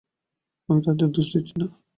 আমি তাদের দোষ দিচ্ছি না।